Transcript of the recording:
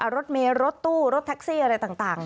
รถเมลรถตู้รถแท็กซี่อะไรต่าง